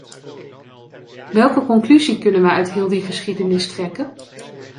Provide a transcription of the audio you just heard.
Welke conclusie kunnen wij uit heel die geschiedenis trekken?